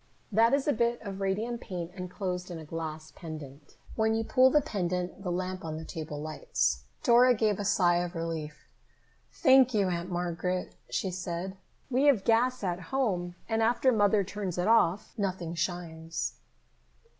"That is a bit of radium paint enclosed in a glass pendant. When you pull the pendant, the lamp on the table lights." Dora gave a sigh of relief. "Thank you, Aunt Margaret," she said. "We have gas at home, and after Mother turns it off, nothing shines."